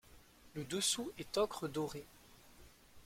Le dessous est ocre doré.